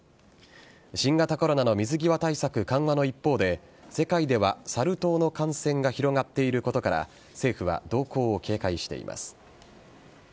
新型コロナの水際対策緩和の一方で世界ではサル痘の感染が広がっていることから政府は動向を警戒しています。